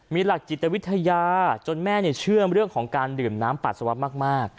มีหลักจิตวิทยาจนแม่เชื่อมเรื่องของการดื่มน้ำปัสสาวะมาก